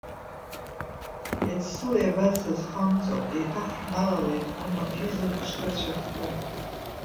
Иацы сыла иабаз сызхамҵо, еиҭах ҳналалеит амафизм ашхырцәаӷьҭра.